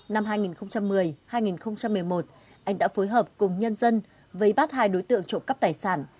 năm hai nghìn một mươi hai nghìn một mươi một anh đã phối hợp cùng nhân dân vây bắt hai đối tượng trộm cắp tài sản